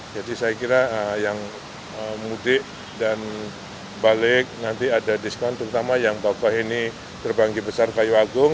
jadi saya kira yang mudik dan balik nanti ada diskaun terutama yang bakau hini terbanggi besar kayu agung